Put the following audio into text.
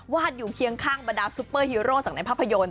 อยู่เคียงข้างบรรดาซุปเปอร์ฮีโร่จากในภาพยนตร์